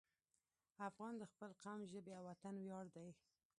افغان د خپل قوم، ژبې او وطن ویاړ دی.